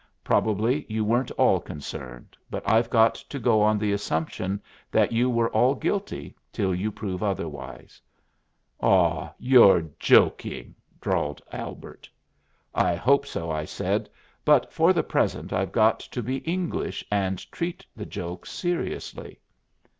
Probably you weren't all concerned, but I've got to go on the assumption that you are all guilty, till you prove otherwise." "Aw, you're joking," drawled Albert. "I hope so," I said, "but for the present I've got to be English and treat the joke seriously."